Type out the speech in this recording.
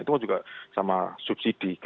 itu kan juga sama subsidi